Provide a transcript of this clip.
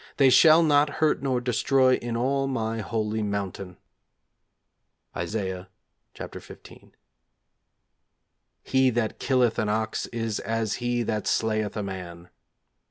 They shall not hurt nor destroy in all my holy mountain.' Isaiah lxv. 'He that killeth an ox is as he that slayeth a man.'